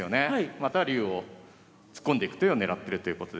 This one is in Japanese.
また竜を突っ込んでいく手を狙ってるということで。